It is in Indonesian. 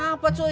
kamu kenapa coy